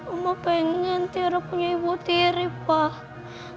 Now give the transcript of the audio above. oma pengen tiara punya ibu tiri pak